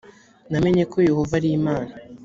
namenye ko yehova ari imana